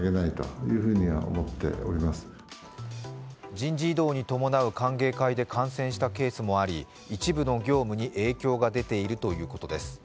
人事異動に伴う歓迎会で感染したケースもあり一部の業務に影響が出ているということです。